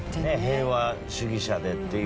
平和主義者でっていう。